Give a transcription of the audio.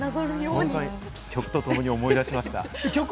曲とともに思い出しました。